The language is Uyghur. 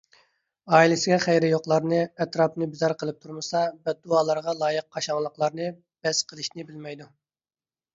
ئائىلىسىگە خەيرى يوقلارنى، ئەتراپنى بىزار قىلىپ تۇرمىسا بەددۇئاغا لايىق قاشاڭلىقلارنى بەس قىلىشنى بىلمەيدۇ.